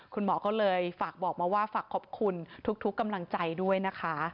คุณหมอก็เลยฝากบอกมาว่าฝากขอบคุณทุกกำลังใจด้วยนะคะ